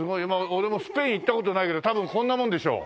俺もスペイン行った事ないけど多分こんなものでしょう。